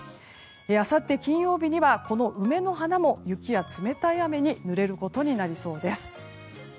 あさって金曜日にはこの梅の花も雪や冷たい雨にぬれることになりそうです。